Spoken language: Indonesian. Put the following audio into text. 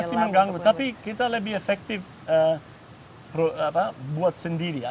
pasti mengganggu tapi kita lebih efektif buat sendiri ya